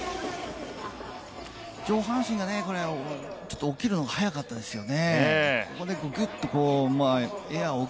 上半身がちょっと起きるのが早かったですよね。